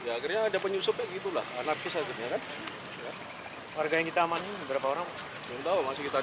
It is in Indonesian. ya alhamdulillah ya tadi ya ada yang berapa dirawat sakit